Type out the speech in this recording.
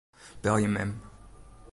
Belje mem.